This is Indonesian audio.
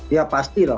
ya pasti loh